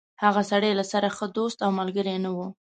هغه سړی له سره ښه دوست او ملګری نه و.